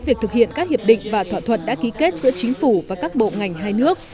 việc thực hiện các hiệp định và thỏa thuận đã ký kết giữa chính phủ và các bộ ngành hai nước